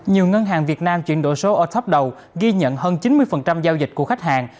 nhiều ngân hàng việt nam chuyển đổi số ở top đầu ghi nhận hơn chín mươi giao dịch của khách hàng